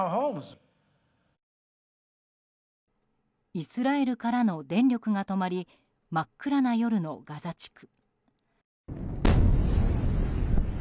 イスラエルからの電力が止まり真っ暗な夜のガザ地区。